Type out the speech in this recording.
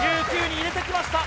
１９に入れてきました